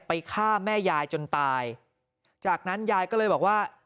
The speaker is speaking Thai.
ฆ่าแม่ยายจนตายจากนั้นยายก็เลยบอกว่า